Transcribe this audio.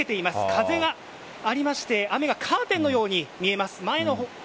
風がありまして雨がカーテンのように見えます。